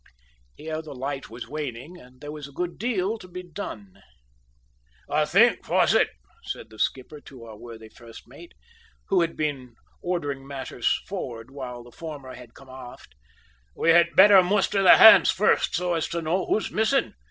Here the light was waning and there was a good deal to be done. "I think, Fosset," said the skipper to our worthy first mate, who had been ordering matters forward while the former had come aft, "we had better muster the hands first so as to know who's missing.